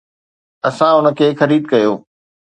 اسان ان کي خريد ڪيو